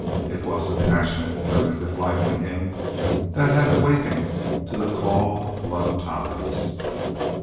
It was the passionate primitive life in him that had awakened to the call of blood ties.